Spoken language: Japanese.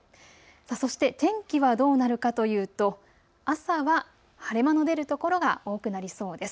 そして天気はどうなるかというと朝は晴れ間の出る所が多くなりそうです。